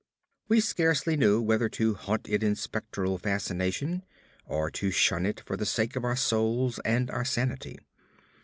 We scarcely knew whether to haunt it in spectral fascination, or to shun it for the sake of our souls and our sanity.